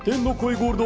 ゴールド。